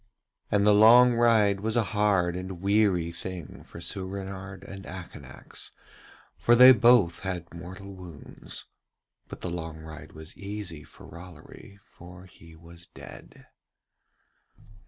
And the long ride was a hard and weary thing for Soorenard and Akanax, for they both had mortal wounds; but the long ride was easy for Rollory, for he was dead.